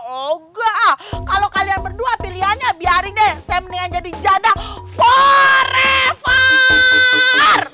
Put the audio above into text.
oga kalau kalian berdua pilihannya biarin deh saya mendingan jadi janda forever